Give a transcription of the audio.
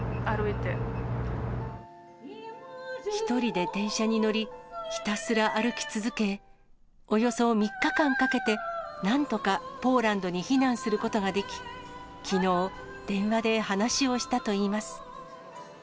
１人で電車に乗り、ひたすら歩き続け、およそ３日間かけて、なんとかポーランドに避難することができ、きのう、電話で話をしたといいます。